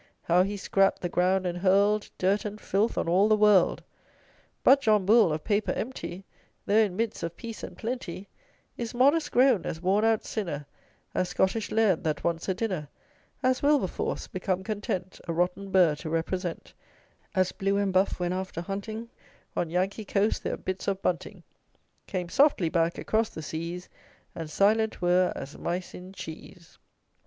How he scrap'd the ground and hurl'd Dirt and filth on all the world! But JOHN BULL of paper empty, Though in midst of peace and plenty, Is modest grown as worn out sinner, As Scottish laird that wants a dinner; As WILBERFORCE, become content A rotten burgh to represent; As BLUE and BUFF, when, after hunting On Yankee coasts their "bits of bunting," Came softly back across the seas, And silent were as mice in cheese.